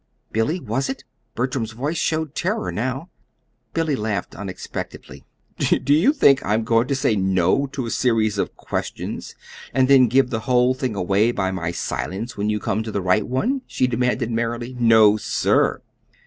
"Billy, was it?" Bertram's voice showed terror now. Billy laughed unexpectedly. "Do you think I'm going to say 'no' to a series of questions, and then give the whole thing away by my silence when you come to the right one?" she demanded merrily. "No, sir!"